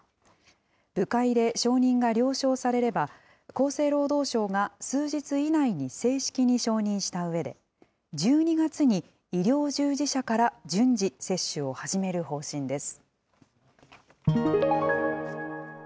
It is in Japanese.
部会で承認が了承されれば、厚生労働省が数日以内に正式に承認したうえで、１２月に医療従事者から順次接種を始める方針です。